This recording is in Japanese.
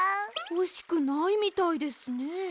ほしくないみたいですね。